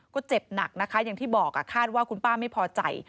ก็เจ็บหนักนะคะอย่างที่บอกคาดว่าคุณป้าไม่พอใจ